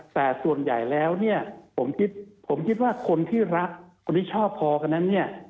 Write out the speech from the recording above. แต่ส่วนใหญ่แล้วเนี่ยผมคิดผมคิดว่าคนที่รักคนที่ชอบพอกันนั้นเนี่ย